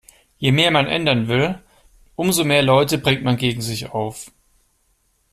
Je mehr man ändern will, umso mehr Leute bringt man gegen sich auf.